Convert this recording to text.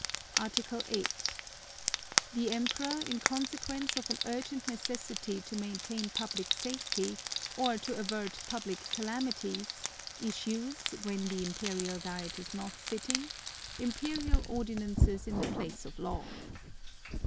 Article 8. The Emperor, in consequence of an urgent necessity to maintain public safety or to avert public calamities, issues, when the Imperial Diet is not sitting, Imperial ordinances in the place of law.